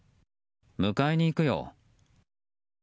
迎えに行くよ。